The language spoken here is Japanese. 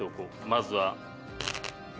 まずは。